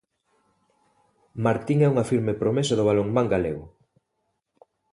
Martín é unha firme promesa do balonmán galego.